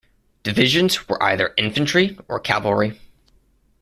Divisions were either infantry or cavalry.